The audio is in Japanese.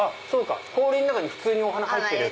氷に普通にお花入ってるやつ？